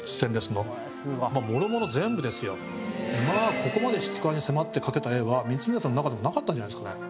ここまで質感に迫って描けた絵は光宗さんの中でもなかったんじゃないですかね。